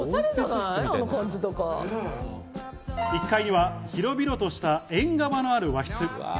１階には広々とした縁側のある和室。